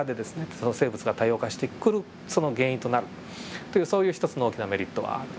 その生物が多様化してくるその原因となるというそういう１つの大きなメリットはある。